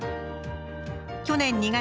去年２月。